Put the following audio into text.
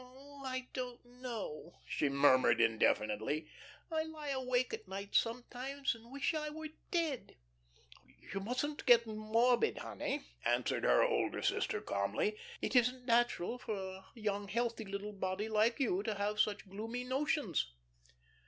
"Oh, I don't know," she murmured indefinitely. "I lie awake at night sometimes and wish I were dead." "You mustn't get morbid, honey," answered her older sister calmly. "It isn't natural for a young healthy little body like you to have such gloomy notions."